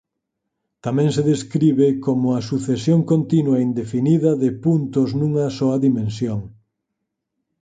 Tamén se describe como a sucesión continua e indefinida de puntos nunha soa dimensión.